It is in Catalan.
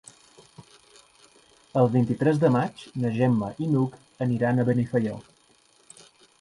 El vint-i-tres de maig na Gemma i n'Hug aniran a Benifaió.